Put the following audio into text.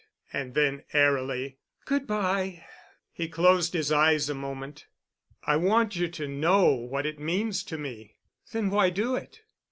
And then airily, "Good by." He closed his eyes a moment. "I want you to know what it means to me." "Then why do it?"